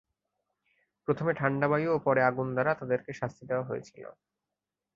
প্রথমে ঠাণ্ডা বায়ু ও পরে আগুন দ্বারা তাদেরকে শাস্তি দেওয়া হয়েছিল।